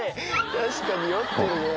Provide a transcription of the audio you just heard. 確かに酔ってるね。